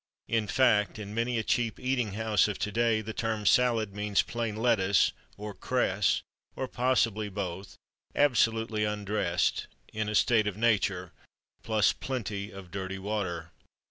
In fact, in many a cheap eating house of to day, the term "salad" means plain lettuce, or cress, or possibly both, absolutely undressed in a state of nature, plus plenty of dirty water.